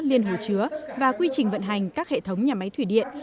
liên hồ chứa và quy trình vận hành các hệ thống nhà máy thủy điện